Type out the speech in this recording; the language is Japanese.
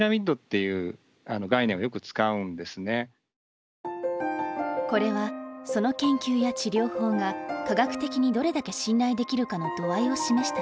あのこれはその研究や治療法が科学的にどれだけ信頼できるかの度合いを示した図。